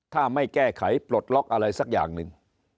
ถ้าไม่แก้ไขปลดล็อกอะไรสักอย่างหนึ่ง